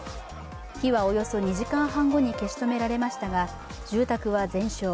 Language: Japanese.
火はおよそ２時間半後に消し止められましたが住宅は全焼。